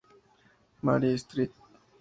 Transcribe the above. Mary's Street".